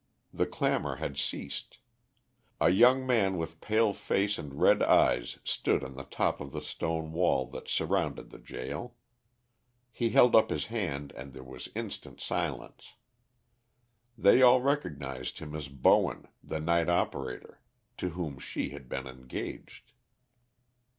The clamour had ceased. A young man with pale face and red eyes stood on the top of the stone wall that surrounded the gaol. He held up his hand and there was instant silence. They all recognised him as Bowen, the night operator, to whom she had been engaged.